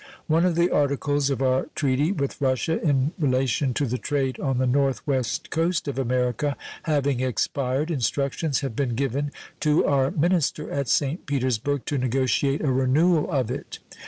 One of the articles of our treaty with Russia in relation to the trade on the North West coast of America having expired, instructions have been given to our minister at St. Petersburg to negotiate a renewal of it.